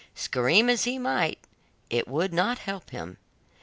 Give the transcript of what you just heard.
Scream as he might, it would not help him.